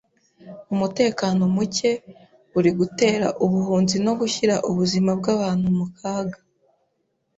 umutekano mucye uri gutera ubuhunzi no gushyira ubuzima bw'abantu mu kaga